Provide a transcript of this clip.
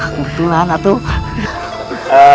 kebetulan pak man